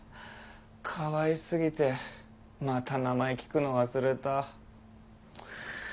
かわいすぎてまた名前聞くの忘れた。